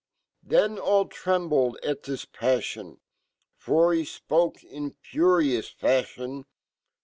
Then all trembled at his pafffon, For he fpoke in furious fafhion.